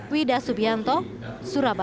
wida subianto surabaya